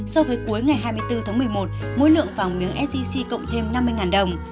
so với cuối ngày hai mươi bốn tháng một mươi một mỗi lượng vàng miếng sgc cộng thêm năm mươi đồng